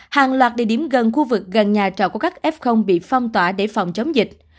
hàng loạt địa điểm gần khu vực gần nhà trọ của các f bị phong tỏa để phòng chống dịch